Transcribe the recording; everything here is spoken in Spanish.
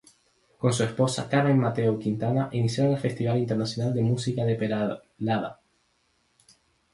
Con su esposa Carmen Mateu Quintana, iniciaron el Festival Internacional de Música de Peralada.